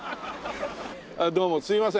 どうもすいません。